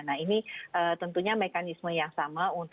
nah ini tentunya mekanisme yang sama